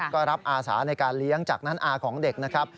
ก็รับอาสาในการเลี้ยงจากนั้นอาของเด็กนะครับ